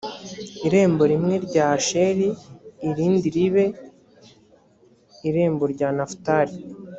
irembo rimwe ry’asheri irindi ribe irembo rya nafutali